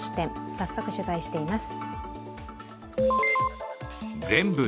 早速、取材しています。